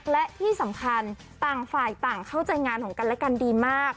และที่สำคัญต่างฝ่ายต่างเข้าใจงานของกันและกันดีมาก